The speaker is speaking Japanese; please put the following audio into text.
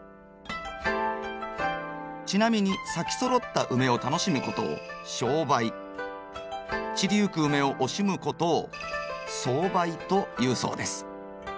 ちなみに咲きそろったウメを楽しむことを賞梅散りゆくウメを惜しむことを送梅というそうです。